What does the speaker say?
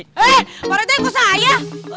eh pak rete kok saya